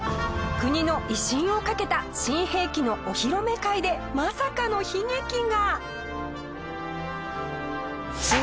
国の威信をかけた新兵器のお披露目会でまさかの悲劇が。